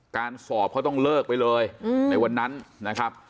การสอบเขาต้องเลิกไปเลยในวันนั้นนะครับ